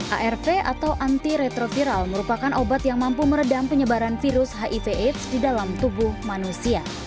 arv atau anti retroviral merupakan obat yang mampu meredam penyebaran virus hiv aids di dalam tubuh manusia